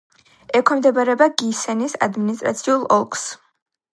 ექვემდებარება გისენის ადმინისტრაციულ ოლქს.